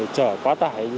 chở quá tải